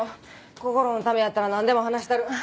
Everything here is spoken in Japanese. こころのためやったらなんでも話したる。